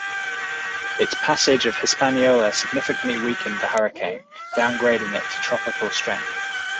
Its passage of Hispaniola significantly weakened the hurricane, downgrading it to tropical strength.